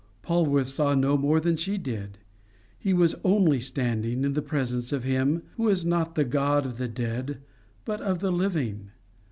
Polwarth saw no more than she did: he was ONLY standing in the presence of him who is not the God of the dead but of the living.